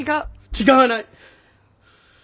違わない。